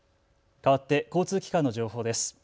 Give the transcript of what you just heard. かわって交通機関の情報です。